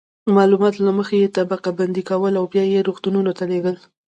معلومات له مخې یې طبقه بندي کول او بیا یې روغتونونو ته لیږل.